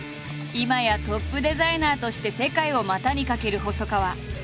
今やトップデザイナーとして世界を股にかける細川。